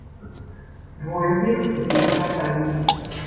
Двое з іх былі братамі.